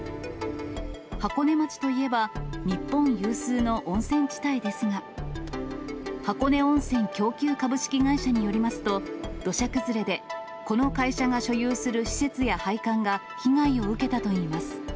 箱根町といえば、日本有数の温泉地帯ですが、箱根温泉供給株式会社によりますと、土砂崩れでこの会社が所有する施設や配管が被害を受けたといいます。